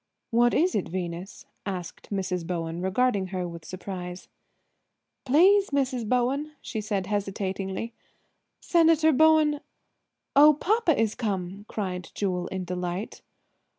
"What is it, Venus?" asked Mrs. Bowen, regarding her with surprise. "Please, Mrs. Bowen," she said hesitatingly, "Senator Bowen—" "Oh, papa is come," cried Jewel in delight.